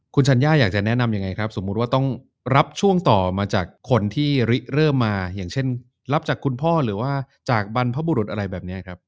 คุณชัญญาอยากจะแนะนำยังไงครับสมมุติว่าต้องรับช่วงต่อมาจากคนที่ริเริ่มมาอย่างเช่นรับจากคุณพ่อหรือว่าจากบรรพบุรุษอะไรแบบนี้ครับ